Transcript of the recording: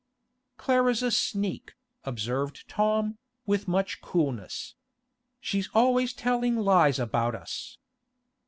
'Clara's a sneak,' observed Tom, with much coolness. 'She's always telling lies about us.